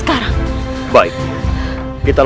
aku harus membantu dia